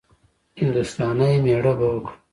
هـنـدوستانی ميړه به وکړم.